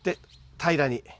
平らに。